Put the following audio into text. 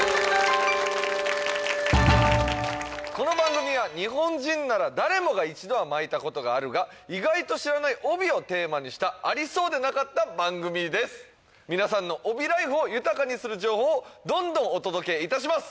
この番組は日本人なら誰もが一度は巻いたことがあるが意外と知らない帯をテーマにしたありそうでなかった番組です皆さんの帯らいふを豊かにする情報をどんどんお届けいたします